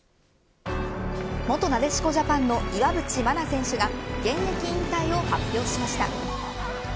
元なでしこジャパンの岩渕真奈選手が現役引退を発表しました。